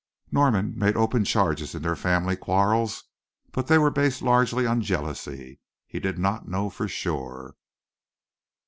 Norman made open charges in their family quarrels, but they were based largely on jealousy. He did not know for sure.